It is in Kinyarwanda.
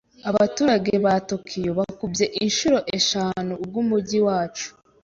Abaturage ba Tokiyo bakubye inshuro eshanu ubw'umujyi wacu.